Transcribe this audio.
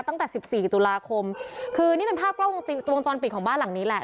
ตั้งแต่สิบสี่ตุลาคมคือนี่เป็นภาพกล้องวงจรปิดของบ้านหลังนี้แหละ